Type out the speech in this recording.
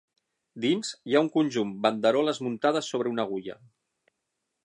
Dins hi ha un conjunt banderoles muntades sobre una agulla.